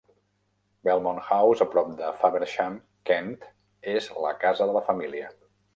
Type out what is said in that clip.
Belmont House, a prop de Faversham (Kent), és la casa de la família.